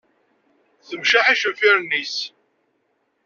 Temceḥ icenfiren-is.